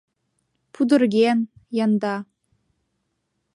Пудырген, янда.